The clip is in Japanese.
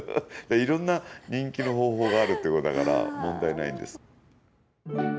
いろんな人気の方法があるっていうことだから問題ないんです。